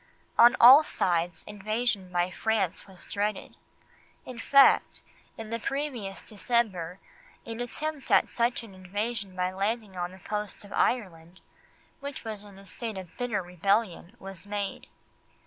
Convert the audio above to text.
On all sides invasion by France was dreaded; in fact, in the previous December an attempt at such an invasion by landing on the coast of Ireland, which was in a state of bitter rebellion, was made.